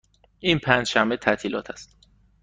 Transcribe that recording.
این پنج شنبه تعطیلات است.